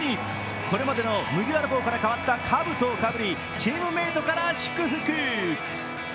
これまでの麦わら帽から変わったかぶとをかぶりチームメートから祝福。